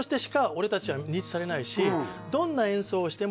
「俺達は認知されないしどんな演奏をしても」